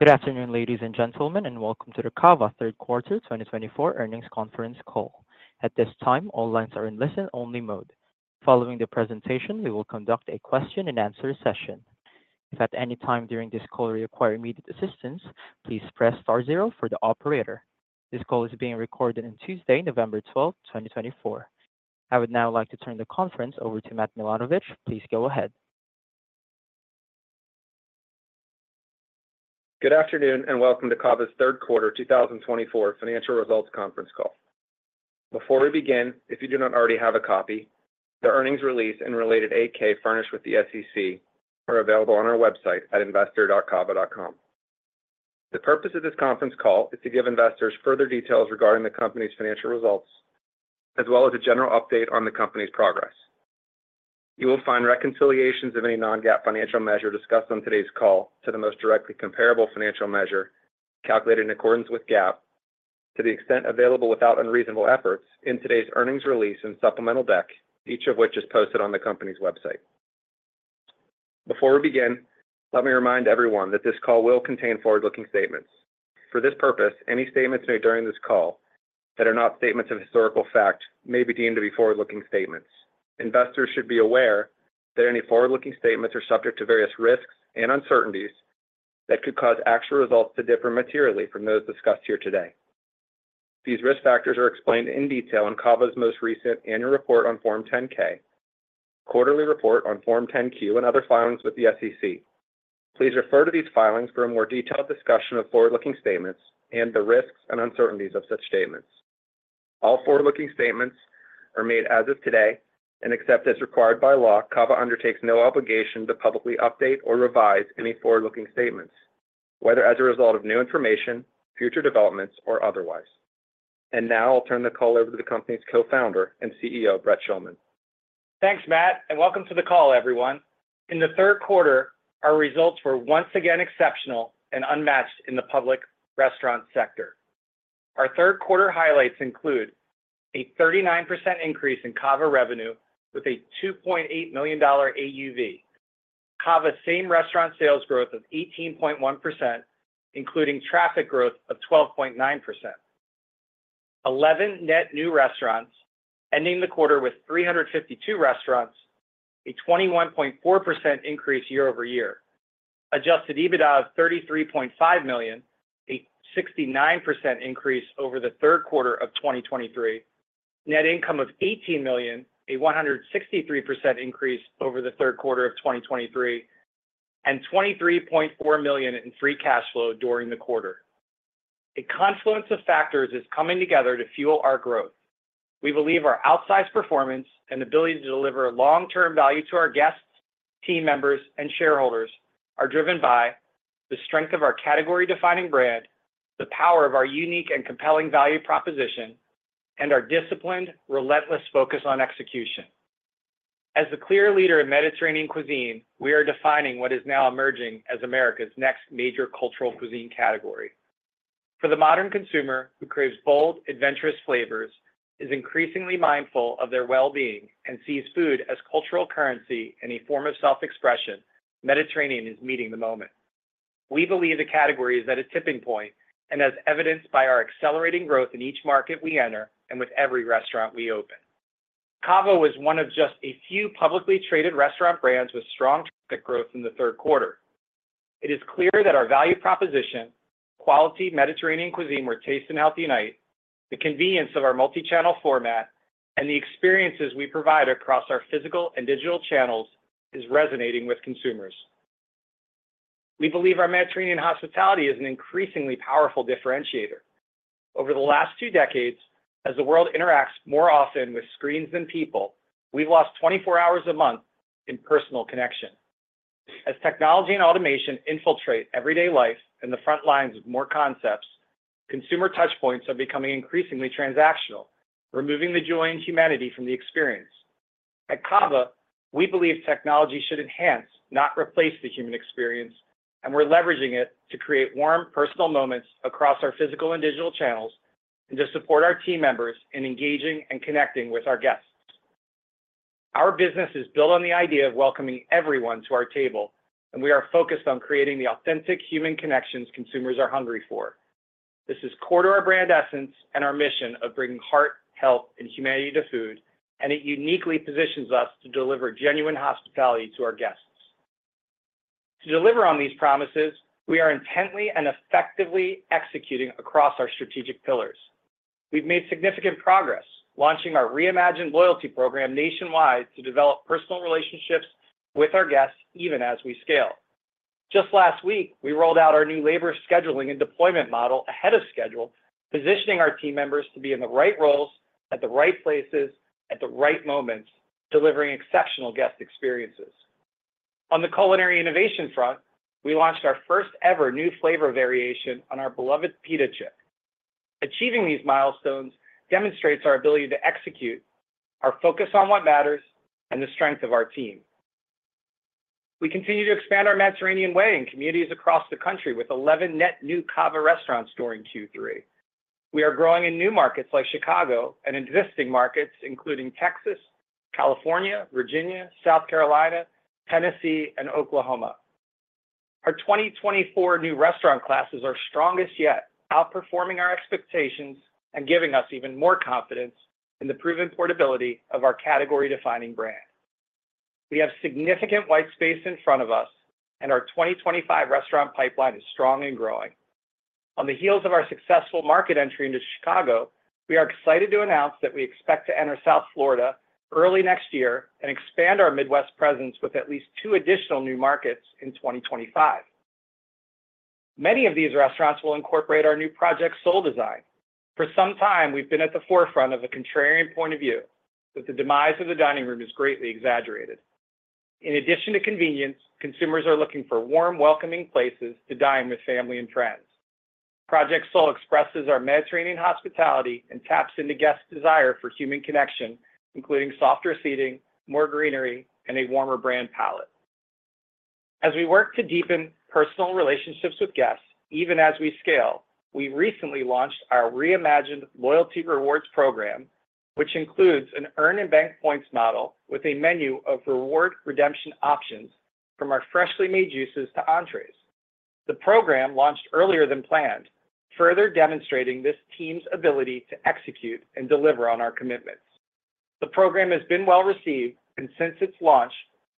Good afternoon, ladies and gentlemen, and welcome to the CAVA Third Quarter 2024 Earnings Conference Call. At this time, all lines are in listen-only mode. Following the presentation, we will conduct a question-and-answer session. If at any time during this call you require immediate assistance, please press star zero for the operator. This call is being recorded on Tuesday, November 12th, 2024. I would now like to turn the conference over to Matt Milanovich. Please go ahead. Good afternoon, and welcome to CAVA's Third Quarter 2024 Financial Results Conference Call. Before we begin, if you do not already have a copy, the earnings release and related 8-K furnished with the SEC are available on our website at investor.cava.com. The purpose of this conference call is to give investors further details regarding the company's financial results, as well as a general update on the company's progress. You will find reconciliations of any non-GAAP financial measure discussed on today's call to the most directly comparable financial measure calculated in accordance with GAAP, to the extent available without unreasonable efforts, in today's earnings release and supplemental deck, each of which is posted on the company's website. Before we begin, let me remind everyone that this call will contain forward-looking statements. For this purpose, any statements made during this call that are not statements of historical fact may be deemed to be forward-looking statements. Investors should be aware that any forward-looking statements are subject to various risks and uncertainties that could cause actual results to differ materially from those discussed here today. These risk factors are explained in detail in CAVA's most recent annual report on Form 10-K, quarterly report on Form 10-Q, and other filings with the SEC. Please refer to these filings for a more detailed discussion of forward-looking statements and the risks and uncertainties of such statements. All forward-looking statements are made as of today, and except as required by law, CAVA undertakes no obligation to publicly update or revise any forward-looking statements, whether as a result of new information, future developments, or otherwise. Now I'll turn the call over to the company's Co-founder and CEO, Brett Schulman. Thanks, Matt, and welcome to the call, everyone. In the third quarter, our results were once again exceptional and unmatched in the public restaurant sector. Our third quarter highlights include a 39% increase in CAVA revenue with a $2.8 million AUV, CAVA's same restaurant sales growth of 18.1%, including traffic growth of 12.9%, 11 net new restaurants, ending the quarter with 352 restaurants, a 21.4% increase year over year, Adjusted EBITDA of $33.5 million, a 69% increase over the third quarter of 2023, net income of $18 million, a 163% increase over the third quarter of 2023, and $23.4 million in free cash flow during the quarter. A confluence of factors is coming together to fuel our growth. We believe our outsized performance and ability to deliver long-term value to our guests, team members, and shareholders are driven by the strength of our category-defining brand, the power of our unique and compelling value proposition, and our disciplined, relentless focus on execution. As the clear leader in Mediterranean cuisine, we are defining what is now emerging as America's next major cultural cuisine category. For the modern consumer who craves bold, adventurous flavors, is increasingly mindful of their well-being, and sees food as cultural currency and a form of self-expression, Mediterranean is meeting the moment. We believe the category is at a tipping point, and as evidenced by our accelerating growth in each market we enter and with every restaurant we open. CAVA was one of just a few publicly traded restaurant brands with strong growth in the third quarter. It is clear that our value proposition, quality Mediterranean cuisine where taste and health unite, the convenience of our multichannel format, and the experiences we provide across our physical and digital channels is resonating with consumers. We believe our Mediterranean hospitality is an increasingly powerful differentiator. Over the last two decades, as the world interacts more often with screens than people, we've lost 24 hours a month in personal connection. As technology and automation infiltrate everyday life and the front lines of more concepts, consumer touchpoints are becoming increasingly transactional, removing the joy and humanity from the experience. At CAVA, we believe technology should enhance, not replace, the human experience, and we're leveraging it to create warm personal moments across our physical and digital channels and to support our team members in engaging and connecting with our guests. Our business is built on the idea of welcoming everyone to our table, and we are focused on creating the authentic human connections consumers are hungry for. This is core to our brand essence and our mission of bringing heart, health, and humanity to food, and it uniquely positions us to deliver genuine hospitality to our guests. To deliver on these promises, we are intently and effectively executing across our strategic pillars. We've made significant progress launching our reimagined loyalty program nationwide to develop personal relationships with our guests even as we scale. Just last week, we rolled out our new labor scheduling and deployment model ahead of schedule, positioning our team members to be in the right roles at the right places at the right moments, delivering exceptional guest experiences. On the culinary innovation front, we launched our first-ever new flavor variation on our beloved pita chips. Achieving these milestones demonstrates our ability to execute, our focus on what matters, and the strength of our team. We continue to expand our Mediterranean way in communities across the country with 11 net new CAVA restaurants during Q3. We are growing in new markets like Chicago and existing markets, including Texas, California, Virginia, South Carolina, Tennessee, and Oklahoma. Our 2024 new restaurant classes are strongest yet, outperforming our expectations and giving us even more confidence in the proven portability of our category-defining brand. We have significant white space in front of us, and our 2025 restaurant pipeline is strong and growing. On the heels of our successful market entry into Chicago, we are excited to announce that we expect to enter South Florida early next year and expand our Midwest presence with at least two additional new markets in 2025. Many of these restaurants will incorporate our new Project Soul design. For some time, we've been at the forefront of a contrarian point of view, but the demise of the dining room is greatly exaggerated. In addition to convenience, consumers are looking for warm, welcoming places to dine with family and friends. Project Soul expresses our Mediterranean hospitality and taps into guests' desire for human connection, including softer seating, more greenery, and a warmer brand palette. As we work to deepen personal relationships with guests, even as we scale, we recently launched our reimagined loyalty rewards program, which includes an earn-and-bank points model with a menu of reward redemption options from our freshly made juices to entrees. The program launched earlier than planned, further demonstrating this team's ability to execute and deliver on our commitments. The program has been well received, and since its launch,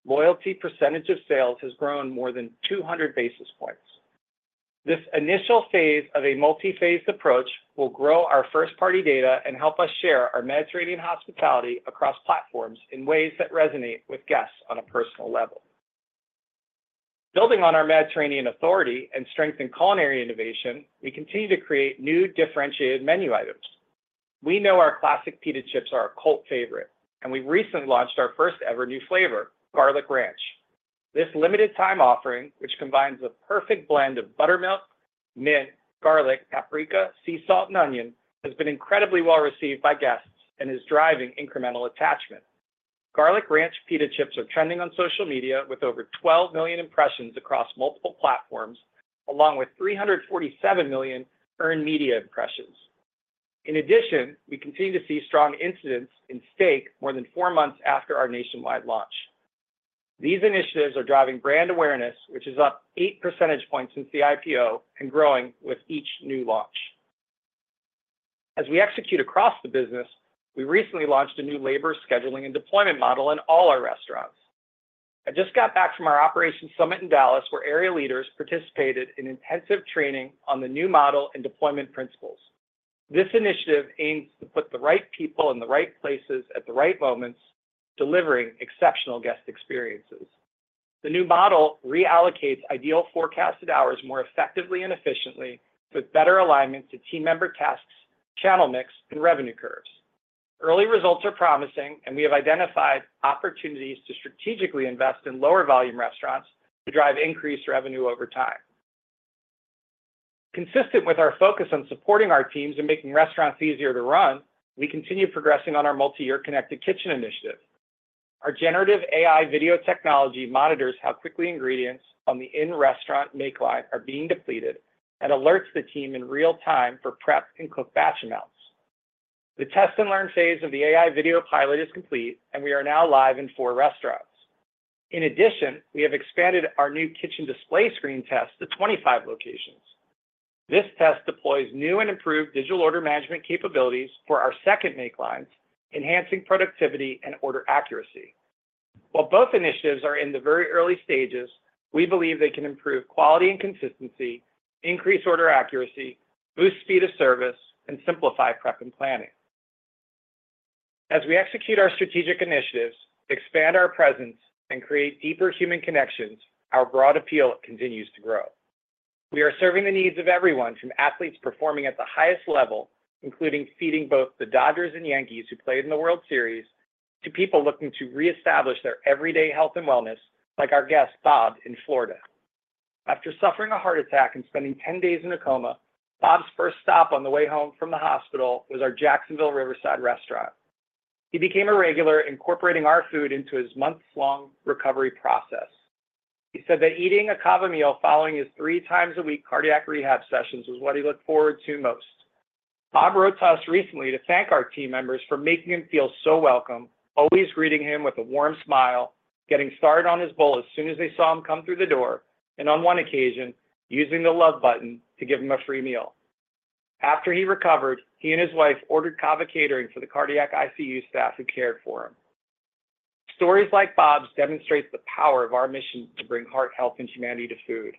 loyalty percentage of sales has grown more than 200 basis points. This initial phase of a multi-phased approach will grow our first-party data and help us share our Mediterranean hospitality across platforms in ways that resonate with guests on a personal level. Building on our Mediterranean authority and strengthened culinary innovation, we continue to create new differentiated menu items. We know our classic pita chips are a cult favorite, and we've recently launched our first-ever new flavor, Garlic Ranch. This limited-time offering, which combines the perfect blend of buttermilk, mint, garlic, paprika, sea salt, and onion, has been incredibly well received by guests and is driving incremental attachment. Garlic Ranch pita chips are trending on social media with over 12 million impressions across multiple platforms, along with 347 million earned media impressions. In addition, we continue to see strong incidence in steak more than four months after our nationwide launch. These initiatives are driving brand awareness, which is up 8 percentage points since the IPO and growing with each new launch. As we execute across the business, we recently launched a new labor scheduling and deployment model in all our restaurants. I just got back from our Operations Summit in Dallas, where area leaders participated in intensive training on the new model and deployment principles. This initiative aims to put the right people in the right places at the right moments, delivering exceptional guest experiences. The new model reallocates ideal forecasted hours more effectively and efficiently, with better alignment to team member tasks, channel mix, and revenue curves. Early results are promising, and we have identified opportunities to strategically invest in lower-volume restaurants to drive increased revenue over time. Consistent with our focus on supporting our teams and making restaurants easier to run, we continue progressing on our multi-year Connected Kitchen initiative. Our generative AI video technology monitors how quickly ingredients on the in-restaurant make line are being depleted and alerts the team in real time for prep and cook batch amounts. The test and learn phase of the AI video pilot is complete, and we are now live in four restaurants. In addition, we have expanded our new kitchen display screen test to 25 locations. This test deploys new and improved digital order management capabilities for our second make lines, enhancing productivity and order accuracy. While both initiatives are in the very early stages, we believe they can improve quality and consistency, increase order accuracy, boost speed of service, and simplify prep and planning. As we execute our strategic initiatives, expand our presence, and create deeper human connections, our broad appeal continues to grow. We are serving the needs of everyone from athletes performing at the highest level, including feeding both the Dodgers and Yankees who played in the World Series, to people looking to reestablish their everyday health and wellness, like our guest, Bob, in Florida. After suffering a heart attack and spending 10 days in a coma, Bob's first stop on the way home from the hospital was our Jacksonville Riverside restaurant. He became a regular, incorporating our food into his months-long recovery process. He said that eating a CAVA meal following his three times-a-week cardiac rehab sessions was what he looked forward to most. Bob wrote to us recently to thank our team members for making him feel so welcome, always greeting him with a warm smile, getting started on his bowl as soon as they saw him come through the door, and on one occasion, using the Love Button to give him a free meal. After he recovered, he and his wife ordered CAVA Catering for the cardiac ICU staff who cared for him. Stories like Bob's demonstrate the power of our mission to bring heart, health, and humanity to food.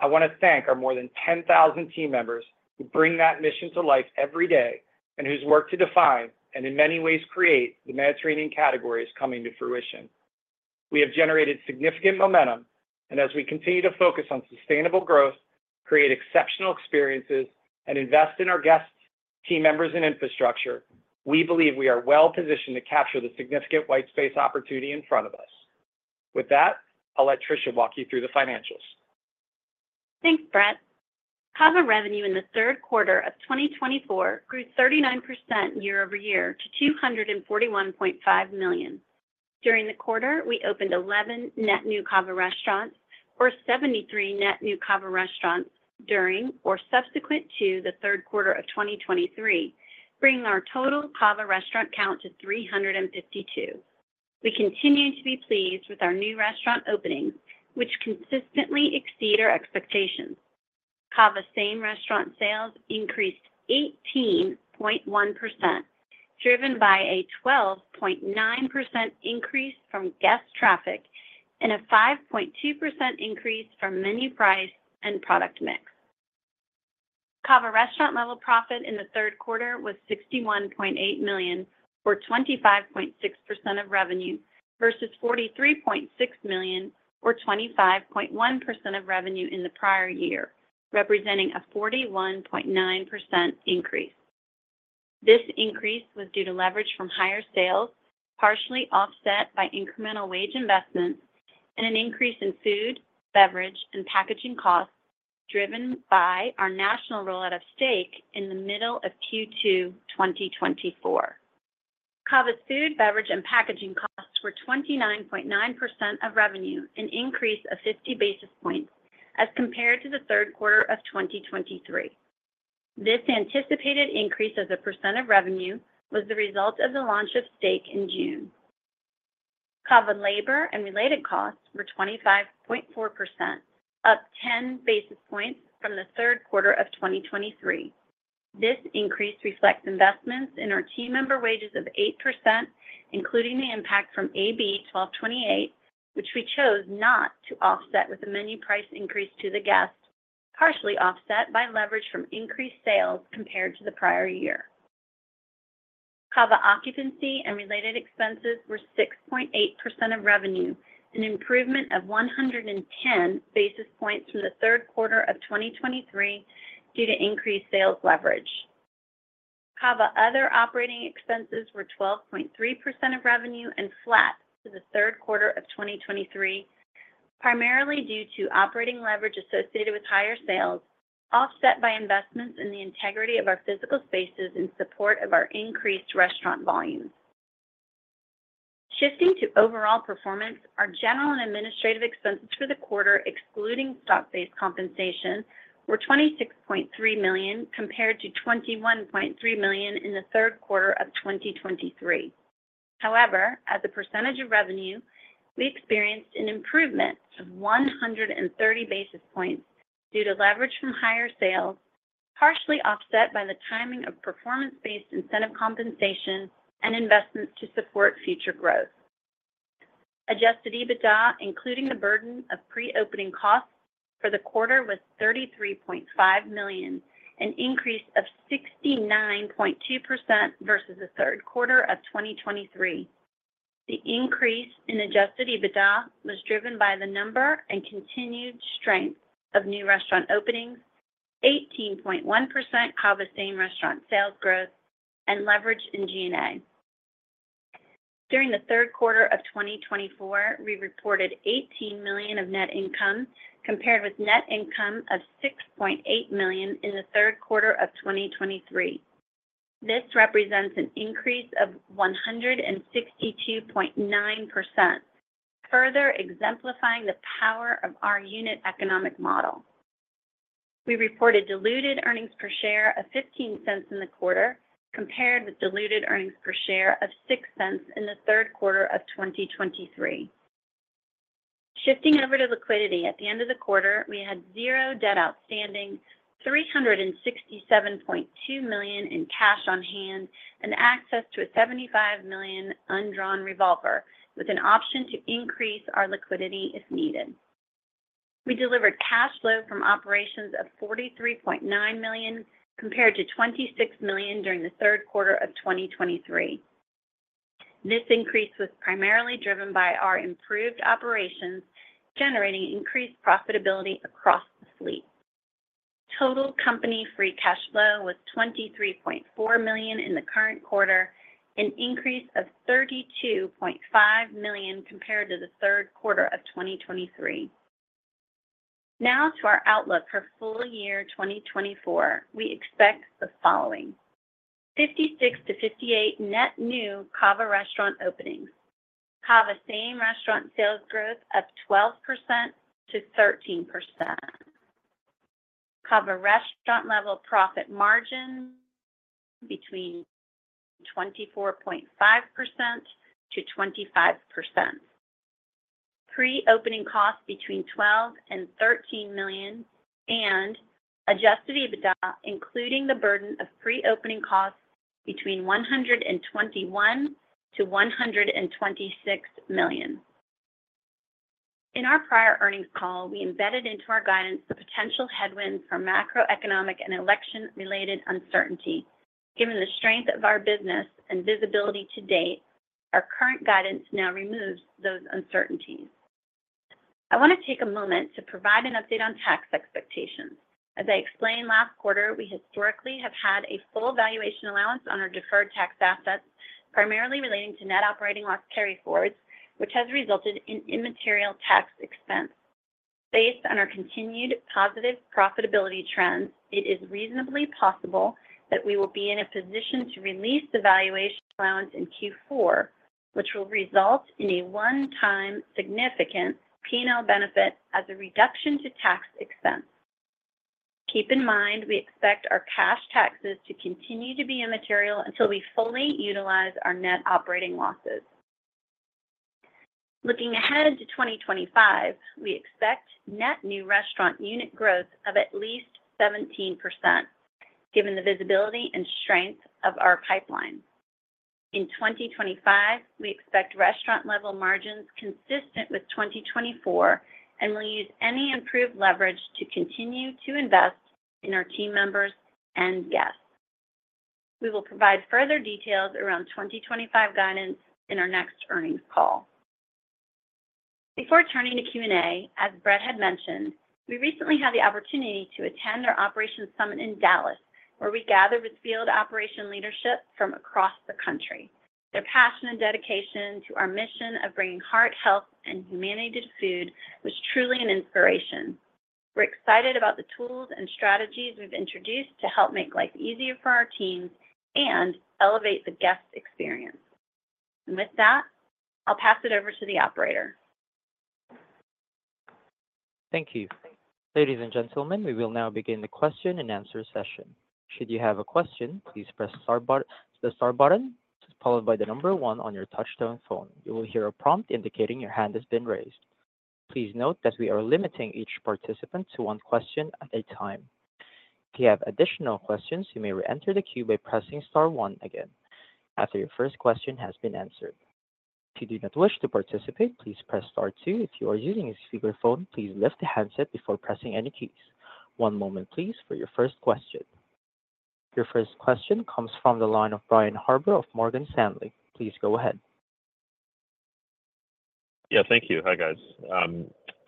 I want to thank our more than 10,000 team members who bring that mission to life every day and whose work to define and in many ways create the Mediterranean categories coming to fruition. We have generated significant momentum, and as we continue to focus on sustainable growth, create exceptional experiences, and invest in our guests, team members, and infrastructure, we believe we are well positioned to capture the significant white space opportunity in front of us. With that, I'll let Tricia walk you through the financials. Thanks, Brett. CAVA revenue in the third quarter of 2024 grew 39% year over year to $241.5 million. During the quarter, we opened 11 net new CAVA restaurants or 73 net new CAVA restaurants during or subsequent to the third quarter of 2023, bringing our total CAVA restaurant count to 352. We continue to be pleased with our new restaurant openings, which consistently exceed our expectations. CAVA's same restaurant sales increased 18.1%, driven by a 12.9% increase from guest traffic and a 5.2% increase from menu price and product mix. CAVA restaurant-level profit in the third quarter was $61.8 million, or 25.6% of revenue, versus $43.6 million, or 25.1% of revenue in the prior year, representing a 41.9% increase. This increase was due to leverage from higher sales, partially offset by incremental wage investments, and an increase in food, beverage, and packaging costs driven by our national rollout of steak in the middle of Q2 2024. CAVA's food, beverage, and packaging costs were 29.9% of revenue, an increase of 50 basis points as compared to the third quarter of 2023. This anticipated increase as a percent of revenue was the result of the launch of steak in June. CAVA labor and related costs were 25.4%, up 10 basis points from the third quarter of 2023. This increase reflects investments in our team member wages of 8%, including the impact from AB 1228, which we chose not to offset with the menu price increase to the guests, partially offset by leverage from increased sales compared to the prior year. CAVA occupancy and related expenses were 6.8% of revenue, an improvement of 110 basis points from the third quarter of 2023 due to increased sales leverage. CAVA other operating expenses were 12.3% of revenue and flat to the third quarter of 2023, primarily due to operating leverage associated with higher sales, offset by investments in the integrity of our physical spaces in support of our increased restaurant volumes. Shifting to overall performance, our general and administrative expenses for the quarter, excluding stock-based compensation, were $26.3 million compared to $21.3 million in the third quarter of 2023. However, as a percentage of revenue, we experienced an improvement of 130 basis points due to leverage from higher sales, partially offset by the timing of performance-based incentive compensation and investments to support future growth. Adjusted EBITDA, including the burden of pre-opening costs for the quarter, was $33.5 million, an increase of 69.2% versus the third quarter of 2023. The increase in adjusted EBITDA was driven by the number and continued strength of new restaurant openings, 18.1% CAVA same restaurant sales growth, and leverage in G&A. During the third quarter of 2024, we reported $18 million of net income compared with net income of $6.8 million in the third quarter of 2023. This represents an increase of 162.9%, further exemplifying the power of our unit economic model. We reported diluted earnings per share of $0.15 in the quarter compared with diluted earnings per share of $0.06 in the third quarter of 2023. Shifting over to liquidity at the end of the quarter, we had zero debt outstanding, $367.2 million in cash on hand, and access to a $75 million undrawn revolver with an option to increase our liquidity if needed. We delivered cash flow from operations of $43.9 million compared to $26 million during the third quarter of 2023. This increase was primarily driven by our improved operations generating increased profitability across the fleet. Total Company Free Cash Flow was $23.4 million in the current quarter, an increase of $32.5 million compared to the third quarter of 2023. Now to our outlook for full year 2024. We expect the following: 56-58 net new CAVA restaurant openings, CAVA same restaurant sales growth of 12%-13%, CAVA restaurant-level profit margin between 24.5%-25%, pre-opening costs between $12 million and $13 million, and Adjusted EBITDA, including the burden of pre-opening costs between $121 million-$126 million. In our prior earnings call, we embedded into our guidance the potential headwinds for macroeconomic and election-related uncertainty. Given the strength of our business and visibility to date, our current guidance now removes those uncertainties. I want to take a moment to provide an update on tax expectations. As I explained last quarter, we historically have had a full valuation allowance on our deferred tax assets, primarily relating to net operating loss carry forwards, which has resulted in immaterial tax expense. Based on our continued positive profitability trends, it is reasonably possible that we will be in a position to release the valuation allowance in Q4, which will result in a one-time significant P&L benefit as a reduction to tax expense. Keep in mind, we expect our cash taxes to continue to be immaterial until we fully utilize our net operating losses. Looking ahead to 2025, we expect net new restaurant unit growth of at least 17%, given the visibility and strength of our pipeline. In 2025, we expect restaurant-level margins consistent with 2024, and we'll use any improved leverage to continue to invest in our team members and guests. We will provide further details around 2025 guidance in our next earnings call. Before turning to Q&A, as Brett had mentioned, we recently had the opportunity to attend our Operations Summit in Dallas, where we gathered with field operation leadership from across the country. Their passion and dedication to our mission of bringing heart, health, and humanity to food was truly an inspiration. We're excited about the tools and strategies we've introduced to help make life easier for our teams and elevate the guest experience. And with that, I'll pass it over to the operator. Thank you. Ladies and gentlemen, we will now begin the question and answer session. Should you have a question, please press the star button followed by the number one on your touch-tone phone. You will hear a prompt indicating your hand has been raised. Please note that we are limiting each participant to one question at a time. If you have additional questions, you may re-enter the queue by pressing star one again after your first question has been answered. If you do not wish to participate, please press star two. If you are using a speakerphone, please lift the handset before pressing any keys. One moment, please, for your first question. Your first question comes from the line of Brian Harbour of Morgan Stanley. Please go ahead. Yeah, thank you. Hi, guys. I'm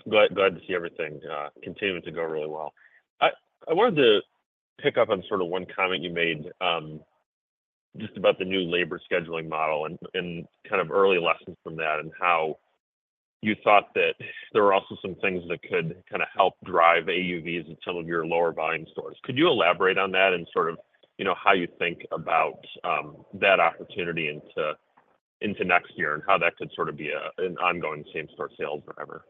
glad to see everything continuing to go really well. I wanted to pick up on sort of one comment you made just about the new labor scheduling model and kind of early lessons from that and how you thought that there were also some things that could kind of help drive AUVs at some of your lower-volume stores. Could you elaborate on that and sort of how you think about that opportunity into next year and how that could sort of be an ongoing same-store sales driver?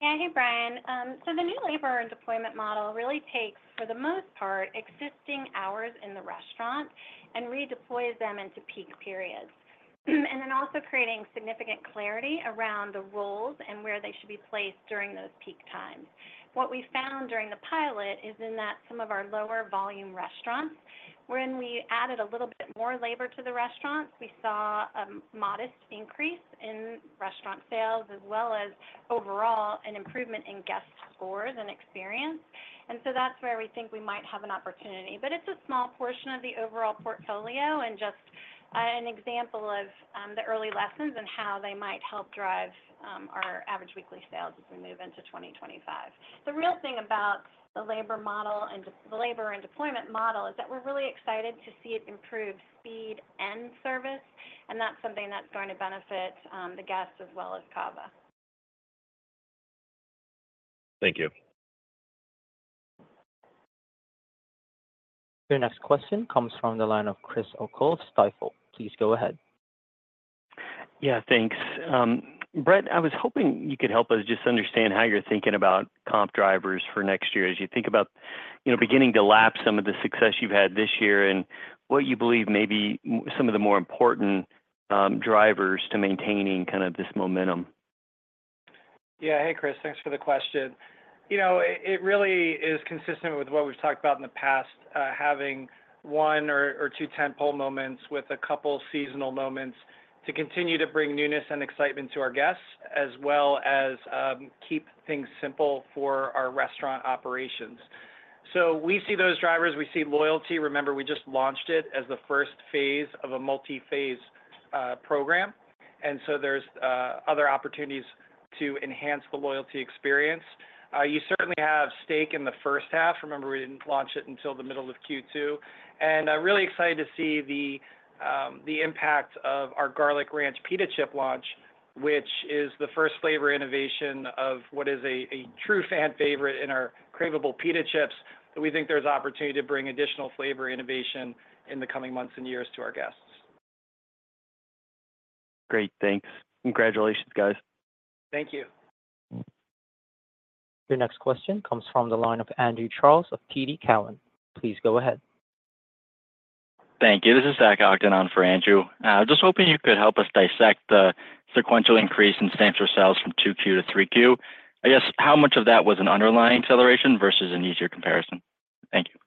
Yeah, hey, Brian. So the new labor and deployment model really takes, for the most part, existing hours in the restaurant and redeploys them into peak periods, and then also creating significant clarity around the roles and where they should be placed during those peak times. What we found during the pilot is in that some of our lower-volume restaurants, when we added a little bit more labor to the restaurants, we saw a modest increase in restaurant sales as well as overall an improvement in guest scores and experience, and so that's where we think we might have an opportunity, but it's a small portion of the overall portfolio and just an example of the early lessons and how they might help drive our average weekly sales as we move into 2025. The real thing about the labor model and the labor and deployment model is that we're really excited to see it improve speed and service, and that's something that's going to benefit the guests as well as CAVA. Thank you. The next question comes from the line of Chris O'Cull of Stifel. Please go ahead. Yeah, thanks. Brett, I was hoping you could help us just understand how you're thinking about comp drivers for next year as you think about beginning to lap some of the success you've had this year and what you believe may be some of the more important drivers to maintaining kind of this momentum? Yeah, hey, Chris, thanks for the question. You know, it really is consistent with what we've talked about in the past, having one or two tentpole moments with a couple seasonal moments to continue to bring newness and excitement to our guests as well as keep things simple for our restaurant operations. So we see those drivers. We see loyalty. Remember, we just launched it as the first phase of a multi-phase program. And so there's other opportunities to enhance the loyalty experience. You certainly have steak in the first half. Remember, we didn't launch it until the middle of Q2. And I'm really excited to see the impact of our Garlic Ranch pita chips launch, which is the first flavor innovation of what is a true fan favorite in our craveable pita chips. We think there's an opportunity to bring additional flavor innovation in the coming months and years to our guests. Great, thanks. Congratulations, guys. Thank you. The next question comes from the line of Andrew Charles of TD Cowen. Please go ahead. Thank you. This is Zach Ogden on for Andrew Charles. I'm just hoping you could help us dissect the sequential increase in same-store sales from Q2 to Q3. I guess how much of that was an underlying acceleration versus an easier comparison? Thank you.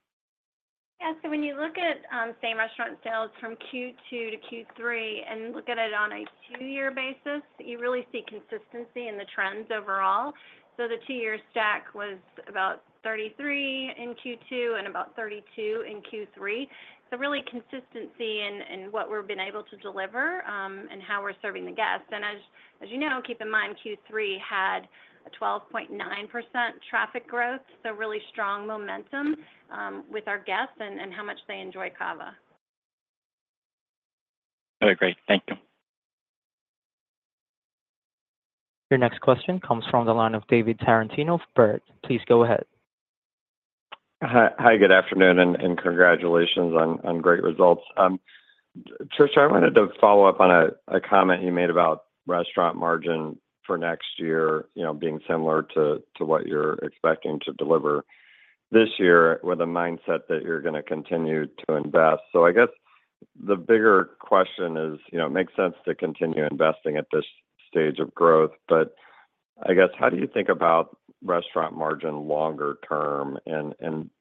Yeah, so when you look at same restaurant sales from Q2 to Q3 and look at it on a two-year basis, you really see consistency in the trends overall. So the two-year stack was about 33 in Q2 and about 32 in Q3. So really consistency in what we've been able to deliver and how we're serving the guests. And as you know, keep in mind, Q3 had a 12.9% traffic growth, so really strong momentum with our guests and how much they enjoy CAVA. All right, great. Thank you. The next question comes from the line of David Tarantino of Baird. Please go ahead. Hi, good afternoon, and congratulations on great results. Tricia, I wanted to follow up on a comment you made about restaurant margin for next year being similar to what you're expecting to deliver this year with a mindset that you're going to continue to invest, so I guess the bigger question is, it makes sense to continue investing at this stage of growth, but I guess how do you think about restaurant margin longer term, and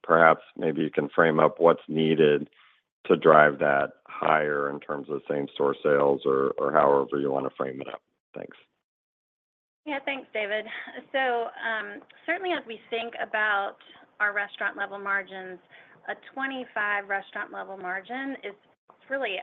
perhaps maybe you can frame up what's needed to drive that higher in terms of same-store sales or however you want to frame it up. Thanks. Yeah, thanks, David. So certainly, as we think about our restaurant-level margins, a 25% restaurant-level margin is really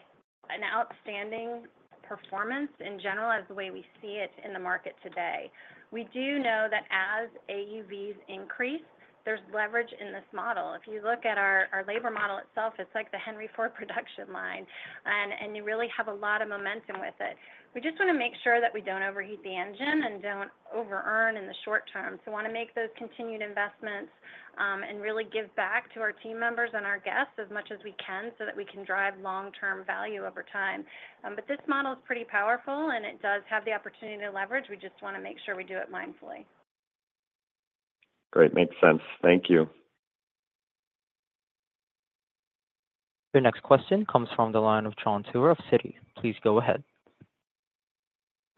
an outstanding performance in general as the way we see it in the market today. We do know that as AUVs increase, there's leverage in this model. If you look at our labor model itself, it's like the Henry Ford production line, and you really have a lot of momentum with it. We just want to make sure that we don't overheat the engine and don't over-earn in the short term. So we want to make those continued investments and really give back to our team members and our guests as much as we can so that we can drive long-term value over time. But this model is pretty powerful, and it does have the opportunity to leverage. We just want to make sure we do it mindfully. Great. Makes sense. Thank you. The next question comes from the line of Jon Tower of Citi. Please go ahead.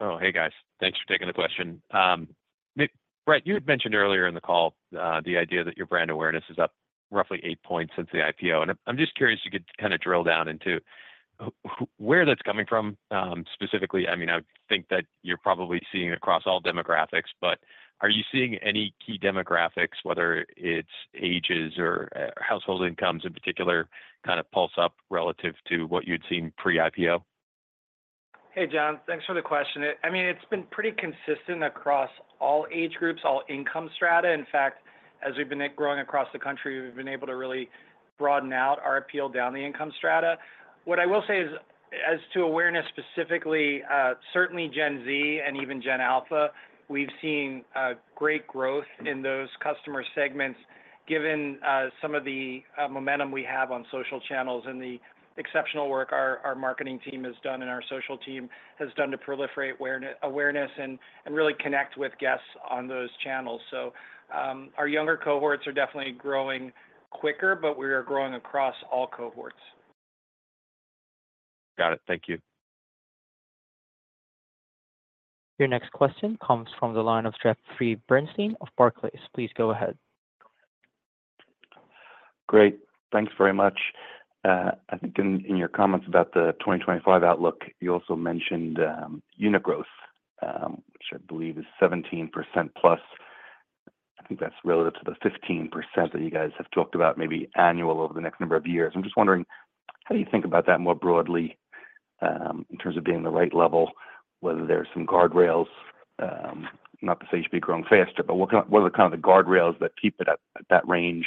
Oh, hey, guys. Thanks for taking the question. Brett, you had mentioned earlier in the call the idea that your brand awareness is up roughly eight points since the IPO. And I'm just curious if you could kind of drill down into where that's coming from specifically. I mean, I think that you're probably seeing it across all demographics, but are you seeing any key demographics, whether it's ages or household incomes in particular, kind of pulse up relative to what you'd seen pre-IPO? Hey, Jon, thanks for the question. I mean, it's been pretty consistent across all age groups, all income strata. In fact, as we've been growing across the country, we've been able to really broaden out our appeal down the income strata. What I will say is, as to awareness specifically, certainly Gen Z and even Gen Alpha, we've seen great growth in those customer segments given some of the momentum we have on social channels and the exceptional work our marketing team has done and our social team has done to proliferate awareness and really connect with guests on those channels, so our younger cohorts are definitely growing quicker, but we are growing across all cohorts. Got it. Thank you. The next question comes from the line of Jeffrey Bernstein of Barclays. Please go ahead. Great. Thanks very much. I think in your comments about the 2025 outlook, you also mentioned unit growth, which I believe is 17% plus. I think that's relative to the 15% that you guys have talked about maybe annual over the next number of years. I'm just wondering, how do you think about that more broadly in terms of being the right level, whether there are some guardrails? Not to say you should be growing faster, but what are kind of the guardrails that keep it at that range?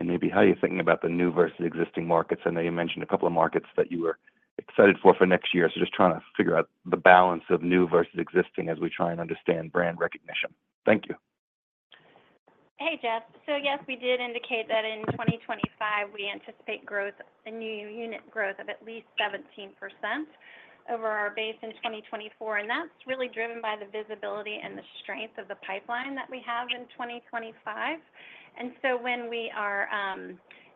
And maybe how are you thinking about the new versus existing markets? I know you mentioned a couple of markets that you were excited for next year. So just trying to figure out the balance of new versus existing as we try and understand brand recognition. Thank you. Hey, Jeff. So yes, we did indicate that in 2025, we anticipate growth, a new unit growth of at least 17% over our base in 2024. And that's really driven by the visibility and the strength of the pipeline that we have in 2025. And so when we are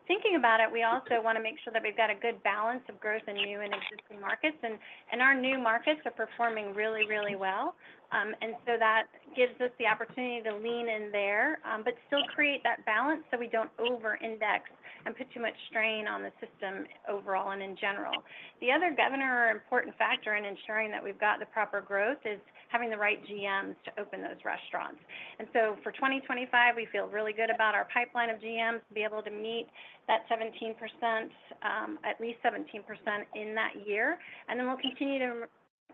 thinking about it, we also want to make sure that we've got a good balance of growth in new and existing markets. And our new markets are performing really, really well. And so that gives us the opportunity to lean in there, but still create that balance so we don't over-index and put too much strain on the system overall and in general. The other governing important factor in ensuring that we've got the proper growth is having the right GMs to open those restaurants. For 2025, we feel really good about our pipeline of GMs to be able to meet that 17%, at least 17% in that year. We'll continue to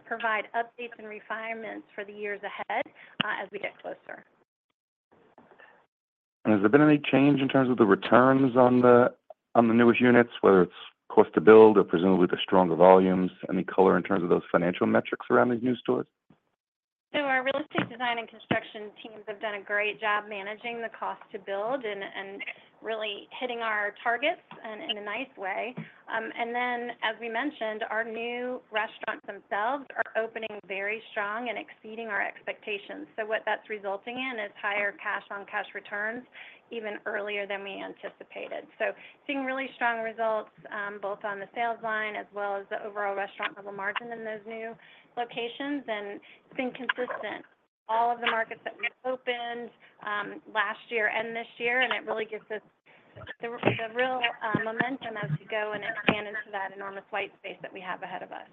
provide updates and refinements for the years ahead as we get closer. Has there been any change in terms of the returns on the newest units, whether it's cost to build or presumably the stronger volumes? Any color in terms of those financial metrics around these new stores? So our real estate design and construction teams have done a great job managing the cost to build and really hitting our targets in a nice way. And then, as we mentioned, our new restaurants themselves are opening very strong and exceeding our expectations. So what that's resulting in is higher cash-on-cash returns even earlier than we anticipated. So seeing really strong results both on the sales line as well as the overall restaurant-level margin in those new locations and being consistent in all of the markets that we opened last year and this year. And it really gives us the real momentum as we go and expand into that enormous white space that we have ahead of us.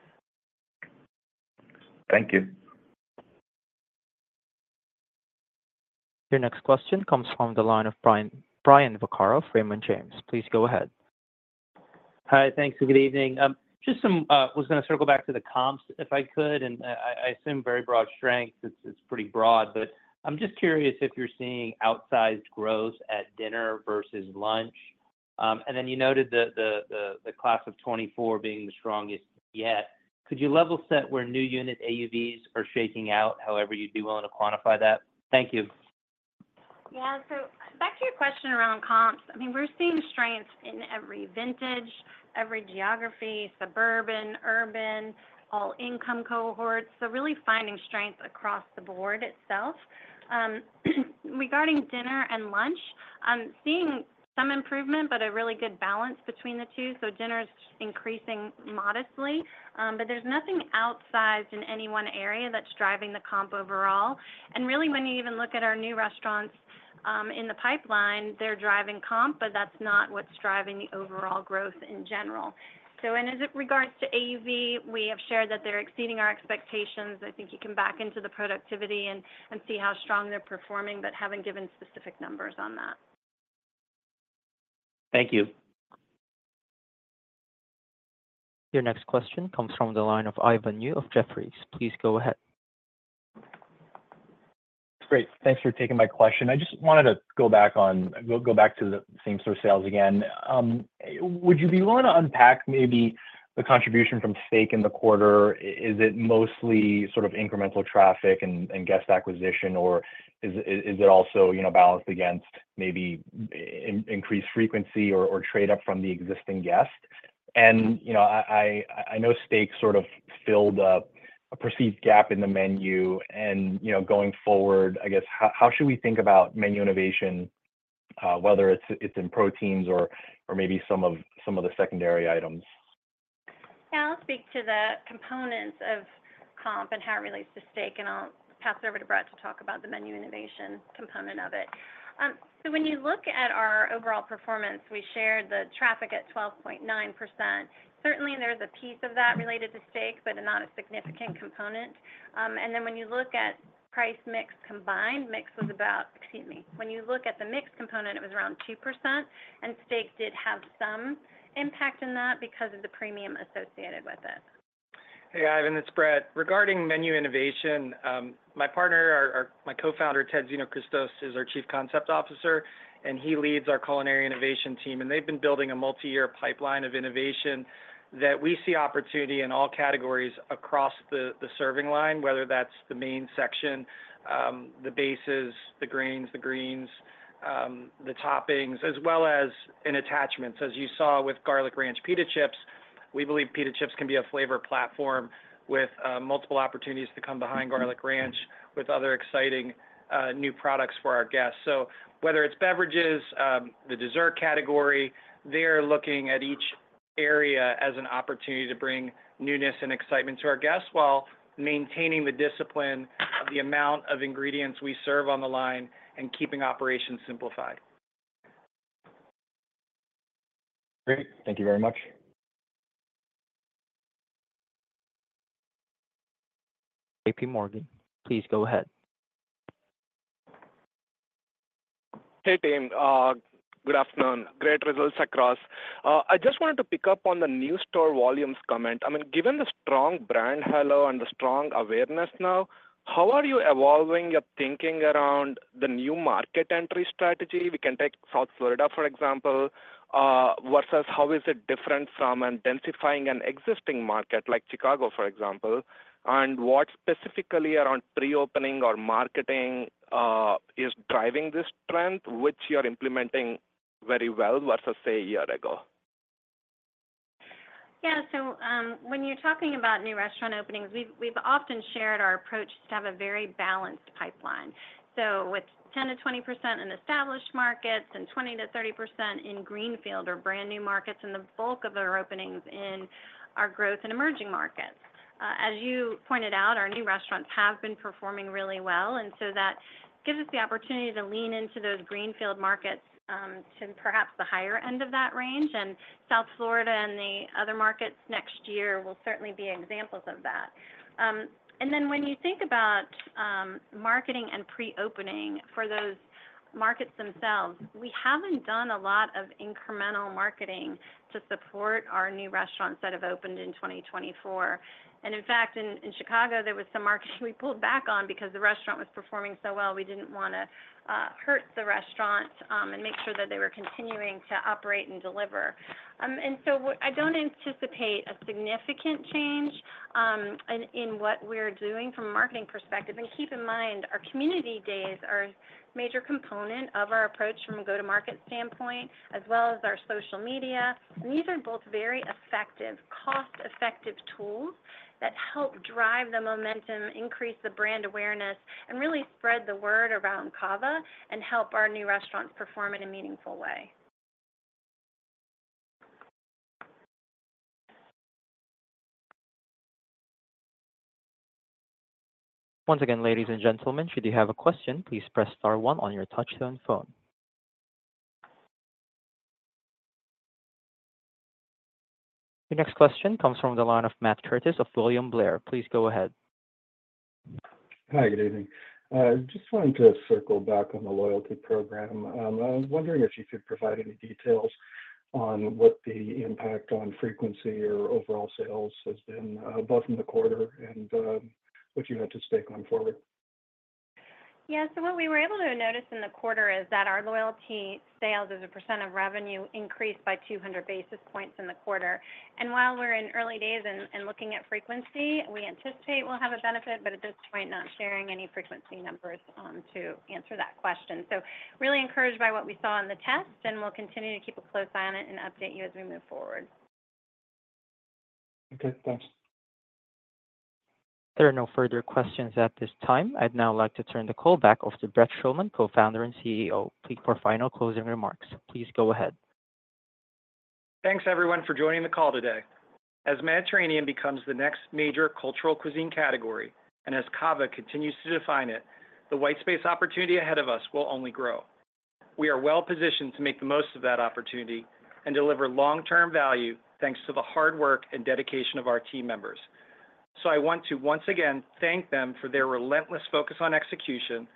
Thank you. The next question comes from the line of Brian Vaccaro of Raymond James. Please go ahead. Hi, thanks. Good evening. Just was going to circle back to the comps if I could. And I assume very broad strength. It's pretty broad. But I'm just curious if you're seeing outsized growth at dinner versus lunch. And then you noted the class of 2024 being the strongest yet. Could you level set where new unit AUVs are shaking out, however you'd be willing to quantify that? Thank you. Yeah. So back to your question around comps. I mean, we're seeing strengths in every vintage, every geography, suburban, urban, all income cohorts. So really finding strength across the board itself. Regarding dinner and lunch, seeing some improvement, but a really good balance between the two. So dinner's increasing modestly, but there's nothing outsized in any one area that's driving the comp overall. And really, when you even look at our new restaurants in the pipeline, they're driving comp, but that's not what's driving the overall growth in general. So in regards to AUV, we have shared that they're exceeding our expectations. I think you can back into the productivity and see how strong they're performing, but haven't given specific numbers on that. Thank you. The next question comes from the line of Ivan Yu of Jefferies. Please go ahead. Great. Thanks for taking my question. I just wanted to go back to the same-store sales again. Would you be willing to unpack maybe the contribution from steak in the quarter? Is it mostly sort of incremental traffic and guest acquisition, or is it also balanced against maybe increased frequency or trade-off from the existing guests? And I know steak sort of filled a perceived gap in the menu. And going forward, I guess, how should we think about menu innovation, whether it's in proteins or maybe some of the secondary items? Yeah, I'll speak to the components of comp and how it relates to steak, and I'll pass it over to Brett to talk about the menu innovation component of it. So when you look at our overall performance, we shared the traffic at 12.9%. Certainly, there's a piece of that related to steak, but not a significant component. And then when you look at price mix combined, mix was about excuse me. When you look at the mix component, it was around 2%. And steak did have some impact in that because of the premium associated with it. Hey, Ivan, it's Brett. Regarding menu innovation, my partner, my co-founder, Ted Xenohristos, is our Chief Concept Officer, and he leads our culinary innovation team. They've been building a multi-year pipeline of innovation that we see opportunity in all categories across the serving line, whether that's the main section, the bases, the grains, the greens, the toppings, as well as in attachments. As you saw with Garlic Ranch pita chips, we believe pita chips can be a flavor platform with multiple opportunities to come behind Garlic Ranch with other exciting new products for our guests. Whether it's beverages, the dessert category, they're looking at each area as an opportunity to bring newness and excitement to our guests while maintaining the discipline of the amount of ingredients we serve on the line and keeping operations simplified. Great. Thank you very much. J.P. Morgan. Please go ahead. Hey team, good afternoon. Great results across. I just wanted to pick up on the new store volumes comment. I mean, given the strong brand halo and the strong awareness now, how are you evolving your thinking around the new market entry strategy? We can take South Florida, for example, versus how is it different from and densifying an existing market like Chicago, for example? And what specifically around pre-opening or marketing is driving this trend, which you're implementing very well versus, say, a year ago? Yeah. So when you're talking about new restaurant openings, we've often shared our approach to have a very balanced pipeline. So with 10%-20% in established markets and 20%-30% in greenfield or brand new markets and the bulk of our openings in our growth and emerging markets. As you pointed out, our new restaurants have been performing really well. And so that gives us the opportunity to lean into those greenfield markets to perhaps the higher end of that range. And South Florida and the other markets next year will certainly be examples of that. And then when you think about marketing and pre-opening for those markets themselves, we haven't done a lot of incremental marketing to support our new restaurants that have opened in 2024. And in fact, in Chicago, there was some marketing we pulled back on because the restaurant was performing so well. We didn't want to hurt the restaurant and make sure that they were continuing to operate and deliver. And so I don't anticipate a significant change in what we're doing from a marketing perspective. And keep in mind, our Community Days are a major component of our approach from a go-to-market standpoint, as well as our social media. And these are both very effective, cost-effective tools that help drive the momentum, increase the brand awareness, and really spread the word around CAVA and help our new restaurants perform in a meaningful way. Once again, ladies and gentlemen, should you have a question, please press star one on your touch-tone phone. The next question comes from the line of Matthew Curtis of William Blair. Please go ahead. Hi, good evening. Just wanted to circle back on the loyalty program. I was wondering if you could provide any details on what the impact on frequency or overall sales has been so far in the quarter and what you have to say going forward. Yeah. So what we were able to notice in the quarter is that our loyalty sales as a percent of revenue increased by 200 basis points in the quarter. And while we're in early days and looking at frequency, we anticipate we'll have a benefit, but at this point, not sharing any frequency numbers to answer that question. So really encouraged by what we saw in the test, and we'll continue to keep a close eye on it and update you as we move forward. Okay. Thanks. There are no further questions at this time. I'd now like to turn the call back off to Brett Schulman, Co-founder and CEO. Please for final closing remarks. Please go ahead. Thanks, everyone, for joining the call today. As Mediterranean becomes the next major cultural cuisine category and as CAVA continues to define it, the white space opportunity ahead of us will only grow. We are well positioned to make the most of that opportunity and deliver long-term value thanks to the hard work and dedication of our team members. So I want to once again thank them for their relentless focus on execution,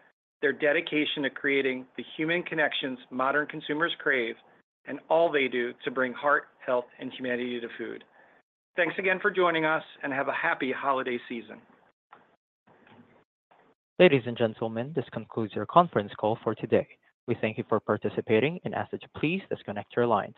their dedication to creating the human connections modern consumers crave, and all they do to bring heart, health, and humanity to food. Thanks again for joining us, and have a happy holiday season. Ladies and gentlemen, this concludes your conference call for today. We thank you for participating and, as such, please disconnect your lines.